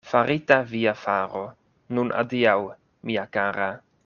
Farita via faro, nun adiaŭ, mia kara!